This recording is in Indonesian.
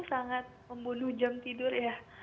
sangat membunuh jam tidur ya